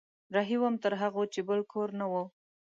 رهي وم تر هغو چې بل کور نه و